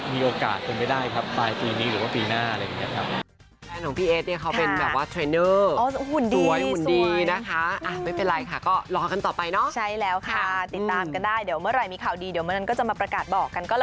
มีโอกาสเป็นไปได้ครับปลายปีนี้หรือว่าปีหน้าอะไรอย่างนี้ครับ